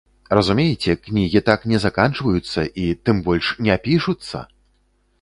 Разумееце, кнігі так не заканчваюцца і, тым больш, не пішуцца!